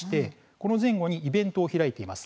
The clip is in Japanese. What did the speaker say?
この前後にイベントを開いています。